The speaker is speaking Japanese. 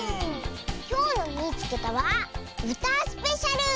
きょうの「みいつけた！」はうたスペシャル！